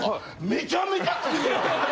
めちゃめちゃ来るやん。